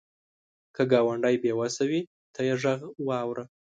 که ګاونډی بې وسه وي، ته یې غږ واوره